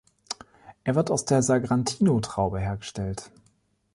Er wird aus der Sagrantino-Traube hergestellt.